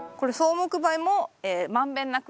木灰も満遍なく？